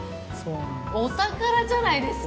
お宝じゃないですか！